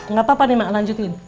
gak apa apa mak lanjutin